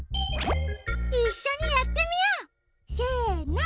いっしょにやってみよう！せの！